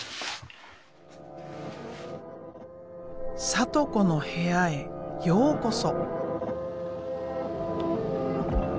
サト子の部屋へようこそ。